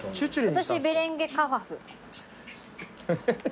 私ベレンゲカワプと。